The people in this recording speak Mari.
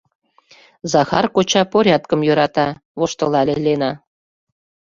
— Захар коча порядкым йӧрата, — воштылале Лена.